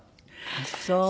あっそう。